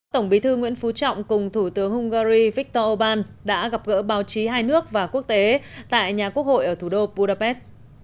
tổng bí thư nguyễn phú trọng cùng thủ tướng hungary viktor orbán đã gặp gỡ báo chí hai nước và quốc tế tại nhà quốc hội ở thủ đô budapest